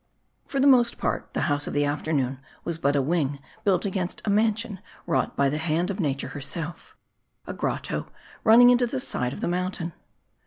FOR the most part, the House <*f the Afternoon was but a wing built against a mansion wrought by the hand of Na ture herself; a grotto running into the side of the mountain.